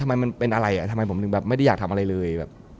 ทำไมมันเป็นอะไรทำไมผมไม่ได้อยากทำอะไรเลย